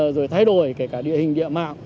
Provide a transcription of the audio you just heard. rồi thay đổi cả địa hình địa mạo